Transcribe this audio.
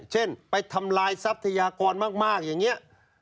เช่นไปทำลายทรัพยากรมากอย่างนี้